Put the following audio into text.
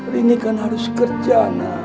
rini kan harus kerja